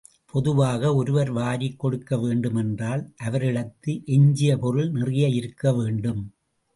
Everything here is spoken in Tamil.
பொதுவாக ஒருவர் வாரிக்கொடுக்க வேண்டும் என்றால் அவரிடத்து எஞ்சிய பொருள் நிறைய இருக்கவேண்டும்.